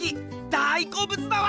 大こうぶつだわ！